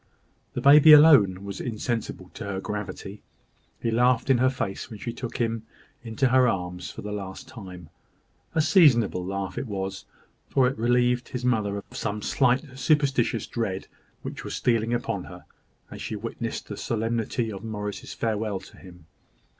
The baby alone was insensible to her gravity; he laughed in her face when she took him into her arms for the last time; a seasonable laugh it was, for it relieved his mother of some slight superstitious dread which was stealing upon her, as she witnessed the solemnity of Morris's farewell to him.